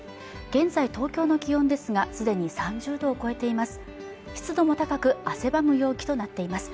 現在東京の気温ですがすでに３０度を超えています